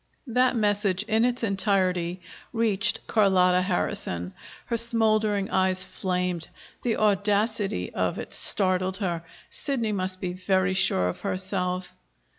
That message in its entirety reached Carlotta Harrison. Her smouldering eyes flamed. The audacity of it startled her. Sidney must be very sure of herself.